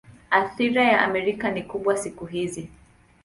Athira ya Amerika ni kubwa siku hizi.